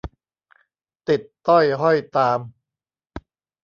ติดต้อยห้อยตาม